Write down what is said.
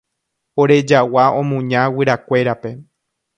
Ore jagua omuña guyrakuérape.